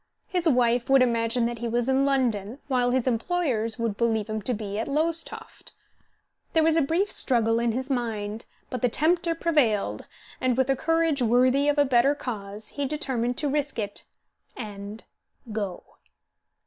His wife would imagine that he was in London, while his employers would believe him to be at Lowestoft. There was a brief struggle in his mind, but the tempter prevailed, and, with a courage worthy of a better cause, he determined to risk it and go.